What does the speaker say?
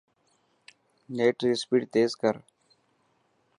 نيٽ ري اسپيڊ تيز ڪر.